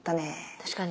確かに。